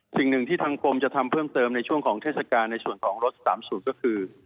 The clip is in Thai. สิ่งหนึ่งที่ทางกรมจะทำเพิ่มเติมในช่วงของเทศกาลในส่วนของรถ๓๐ก็คือ